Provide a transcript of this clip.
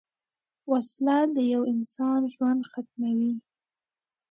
وسله د یوه انسان ژوند ختموي